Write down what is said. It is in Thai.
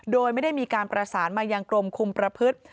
โดยไม่ได้มีการประสานมายังกรมคุมประพฤติ